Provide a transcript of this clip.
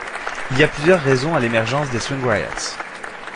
Il y a plusieurs raisons à l'émergence des Swing Riots.